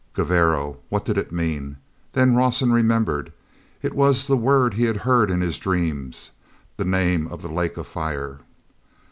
"Gevarro"—what did it mean? Then Rawson remembered. It was the word he had heard in his dreams, the name of the lake of fire.